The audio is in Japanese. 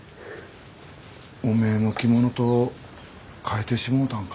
おめえの着物と換えてしもうたんか？